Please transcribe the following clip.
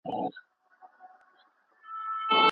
یو له بله کړو پوښتني لکه ښار د ماشومانو